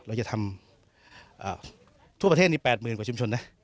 เราจะทำทั่วประเทศนี้๘๐๐๐กว่าชุมชนนะ